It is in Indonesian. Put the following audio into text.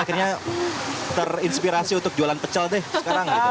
akhirnya terinspirasi untuk jualan pecel deh sekarang gitu